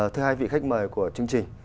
thứ hai vị khách mời của chương trình